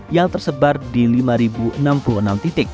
yang tersebar di lima enam puluh enam titik